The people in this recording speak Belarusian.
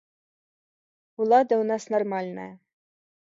Улада ў нас нармальная.